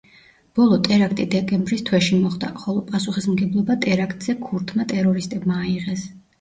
ბოლო ტერაქტი დეკემბრის თვეში მოხდა, ხოლო პასუხისმგებლობა ტერაქტზე ქურთმა ტერორისტებმა აიღეს.